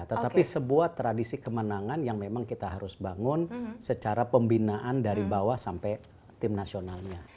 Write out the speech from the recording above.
tetapi sebuah tradisi kemenangan yang memang kita harus bangun secara pembinaan dari bawah sampai tim nasionalnya